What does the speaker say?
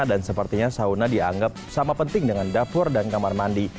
dan sepertinya sauna dianggap sama penting dengan dapur dan kamar mandi